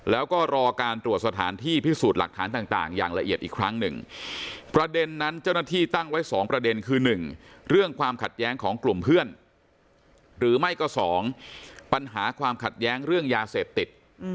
แล้วก็รอการตรวจสถานที่พิสูจน์หลักฐานต่างอย่างละเอียดอีกครั้งหนึ่งประเด็นนั้นเจ้าหน้าที่ตั้งไว้๒ประเด็นคือ๑เรื่องความขัดแย้งของกลุ่มเพื่อนหรือไม่ก็๒ปัญหาความขัดแย้งเรื่องยาเสพติด